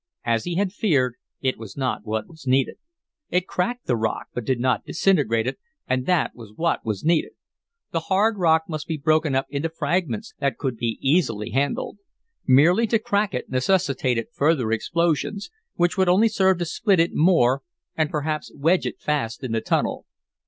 As he had feared, it was not what was needed. It cracked the rock, but did not disintegrate it, and that was what was needed. The hard rock must be broken up into fragments that could be easily handled. Merely to crack it necessitated further explosions, which would only serve to split it more and perhaps wedge it fast in the tunnel.